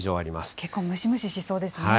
結構ムシムシしそうですね。